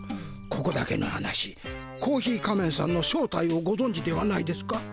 ここだけの話コーヒー仮面さんの正体をごぞんじではないですか？